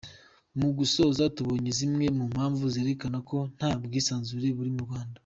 Mu gusoza, tubonye zimwe mu mpamvu zerekana ko nta bwisanzure buri mu Rwanda.